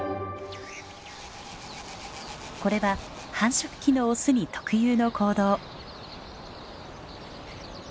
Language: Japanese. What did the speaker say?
これは繁殖期のオスに特有の行動。